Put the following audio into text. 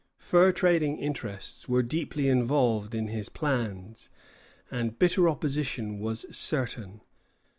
Fur trading interests were deeply involved in his plans, and bitter opposition was certain.